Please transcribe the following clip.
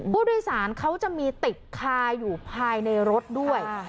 ผู้โดยสารเขาจะมีติดคาอยู่ภายในรถด้วย